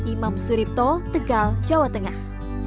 imam suripto tegal jawa tengah